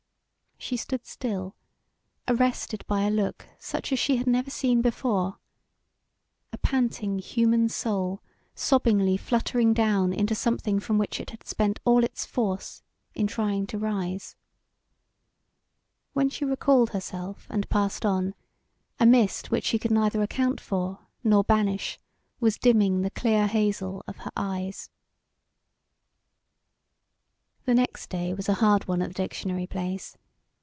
She stood still, arrested by a look such as she had never seen before: a panting human soul sobbingly fluttering down into something from which it had spent all its force in trying to rise. When she recalled herself and passed on, a mist which she could neither account for nor banish was dimming the clear hazel of her eyes. The next day was a hard one at the dictionary place.